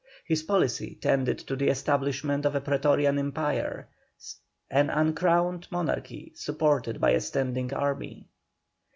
His policy tended to the establishment of a Prætorian Empire, an uncrowned monarchy supported by a standing army.